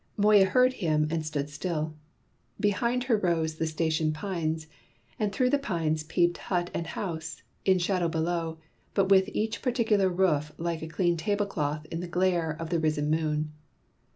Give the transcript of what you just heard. Moya heard him and stood still. Behind her rose the station pines, and through the pines peeped hut and house, in shadow below, but with each particular roof like a clean tablecloth in the glare of the risen moon.